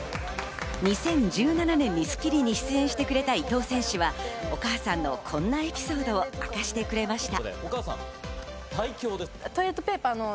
２０１７年に『スッキリ』に出演してくれた伊藤選手は、お母さんのこんなエピソードを明かしてくれました。